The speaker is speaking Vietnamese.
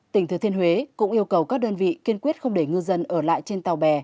tỉnh thừa thiên huế cũng yêu cầu các đơn vị kiên quyết không để ngư dân ở lại trên tàu bè